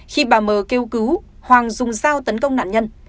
khi bà mờ kêu cứu hoàng dùng dao tấn công nạn nhân